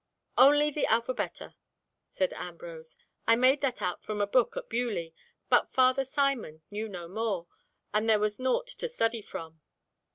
"Only the alphabeta," said Ambrose, "I made that out from a book at Beaulieu, but Father Simon knew no more, and there was nought to study from."